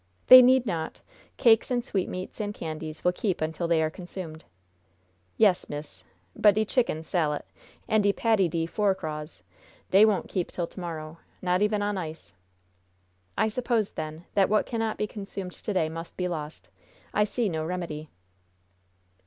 "They need not. Cakes and sweetmeats and candies will keep until they are consumed." "Yes, miss; but de chickun sallit, an' de bone turkey, an' de pattydy four craws, dey won't keep till to morrow, not even on ice." "I suppose, then, that what cannot be consumed to day must be lost. I see no remedy."